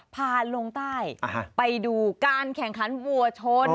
พาลงใต้ไปดูการแข่งขันวัวชน